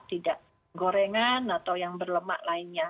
tidak gorengan atau yang berlemak lainnya